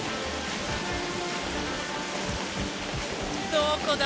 どこだ？